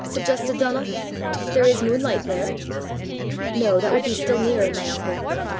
suggested Donal; "there is moonlight there." "No; that would be still nearer my uncle.